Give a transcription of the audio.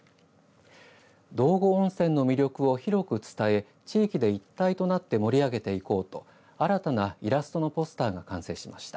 道後温泉の魅力を広く伝え地域で一体となって盛り上げていこうと新たなイラストのポスターが完成しました。